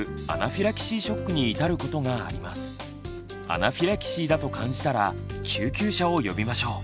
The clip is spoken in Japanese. アナフィラキシーだと感じたら救急車を呼びましょう。